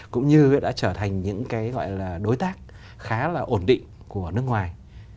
cũng như đã trở thành những cái gọi là đối tác khá là ổn định của nước ngoài